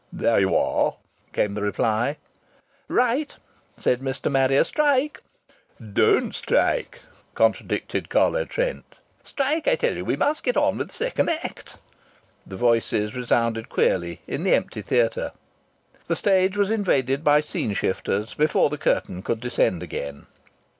"There you are!" came the reply. "Right!" said Mr. Marrier. "Strike!" "Don't strike!" contradicted Carlo Trent. "Strike, I tell you! We must get on with the second act." The voices resounded queerly in the empty theatre. The stage was invaded by scene shifters before the curtain could descend again.